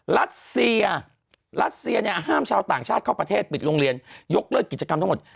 รัสเซียรัสเซียเนี่ยห้ามชาวต่างชาติเข้าประเทศปิดโรงเรียนยกเลิกกิจกรรมทั้งหมด